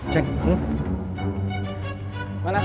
dan cukup lele